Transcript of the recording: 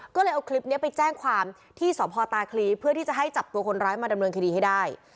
ก็เลยเอาคลิปนี้ไปแจ้งความที่สพตาคลีเพื่อที่จะให้จับตัวคนร้ายมาดำเนินคดีให้ได้